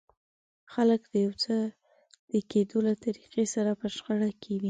خلک د يو څه د کېدو له طريقې سره په شخړه کې وي.